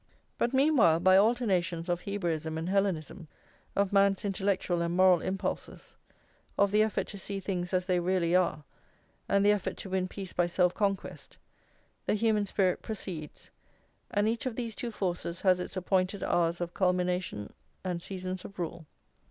But meanwhile, by alternations of Hebraism and Hellenism, of man's intellectual and moral impulses, of the effort to see things as they really are, and the effort to win peace by self conquest, the human spirit proceeds, and each of these two forces has its appointed hours of culmination and seasons of rule.